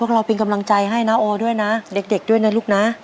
เราเป็นกำลังใจให้นะโอด้วยนะเด็กด้วยนะลูกนะ